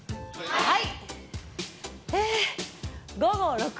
はい。